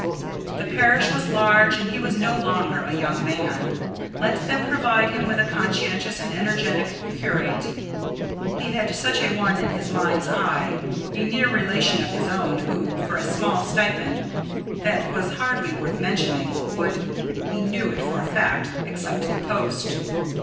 The parish was large and he was no longer a young man. Let them provide him with a conscientious and energetic curate. He had such a one in his mind's eye, a near relation of his own, who, for a small stipend that was hardly worth mentioning, would, he knew it for a fact, accept the post.